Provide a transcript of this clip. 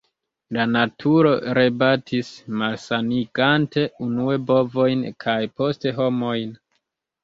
La “naturo rebatis, malsanigante unue bovojn kaj poste homojn.